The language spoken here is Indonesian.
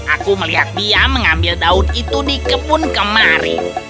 aku melihat dia mengambil daun itu di kebun kemari